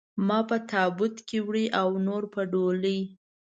ما په تابوت کې وړي او نور په ډولۍ.